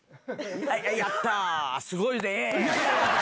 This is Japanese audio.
やったぁ、すごいね。